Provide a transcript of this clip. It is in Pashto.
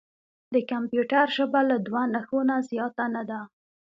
د کمپیوټر ژبه له دوه نښو نه زیاته نه ده.